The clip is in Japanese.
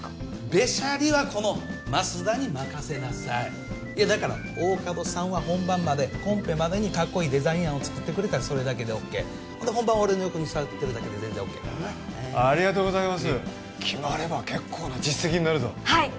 ベシャリはこの舛田に任せなさいいやだから大加戸さんは本番までコンペまでにかっこいいデザイン案を作ってくれたらそれだけでオッケー本番は俺の横に座ってるだけで全然オッケーやからなありがとうございます決まれば結構な実績になるぞはい！